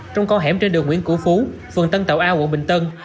trong con hẻm trên đường nguyễn cửu phú phường tân tàu a quận bình tân